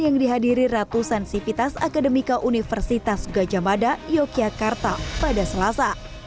yang dihadiri ratusan sivitas akademika universitas gajah mada yogyakarta pada selasa